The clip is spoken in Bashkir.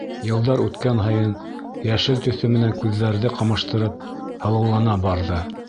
Йылдар үткән һайын, йәшел төҫө менән күҙҙәрҙе ҡамаштырып, һылыулана барҙы.